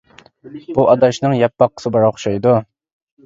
بۇ ئاداشنىڭ يەپ باققۇسى بار ئوخشايدۇ!